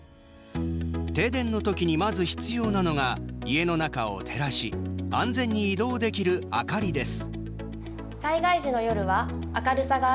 停電の時に、まず必要なのが家の中を照らし安全に移動できる明かりです。